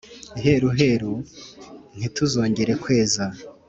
iheruheru ntituzongere kweza,